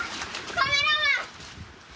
カメラマン！